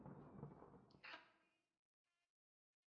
县名指的是位于原来属于本县的温泉城的温泉。